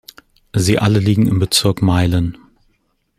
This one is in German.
Sie alle liegen im Bezirk Meilen.